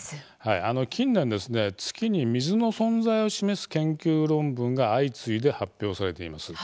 近年、月に水の存在を示す研究論文が相次いで発表されています。